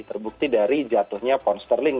terbukti dari jatuhnya ponsterling